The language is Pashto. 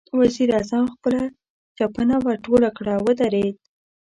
وزير اعظم خپله چپنه ورټوله کړه، ودرېد.